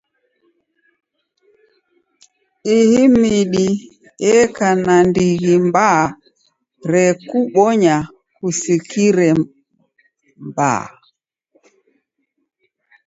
Ihi midi eko na ndighi mbaa rekubonya kusikire baa.